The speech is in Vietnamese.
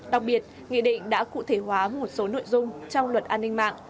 đặc biệt nghị định đã cụ thể hóa một số nội dung trong luật an ninh mạng